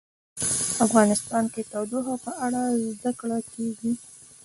افغانستان کې د تودوخه په اړه زده کړه کېږي.